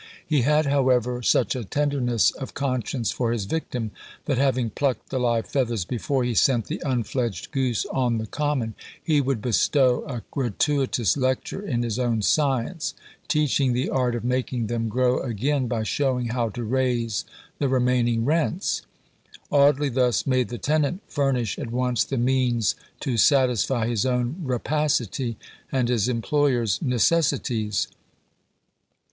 He had, however, such a tenderness of conscience for his victim, that, having plucked the live feathers before he sent the unfledged goose on the common, he would bestow a gratuitous lecture in his own science teaching the art of making them grow again, by showing how to raise the remaining rents. Audley thus made the tenant furnish at once the means to satisfy his own rapacity, and his employer's necessities.